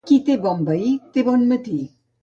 Qui té bon veí, té bon matí.